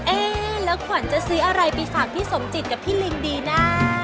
เอ๊ะแล้วขวัญจะซื้ออะไรไปฝากพี่สมจิตกับพี่ลิงดีนะ